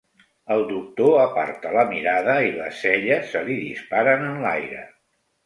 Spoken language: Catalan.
El doctor aparta la mirada i les celles se li disparen enlaire.